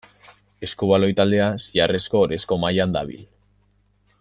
Eskubaloi taldea Zilarrezko Ohorezko mailan dabil.